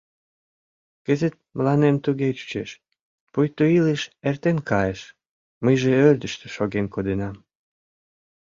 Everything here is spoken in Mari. Кызыт мыланем туге чучеш, пуйто илыш эртен кайыш, мыйже ӧрдыжтӧ шоген кодынам.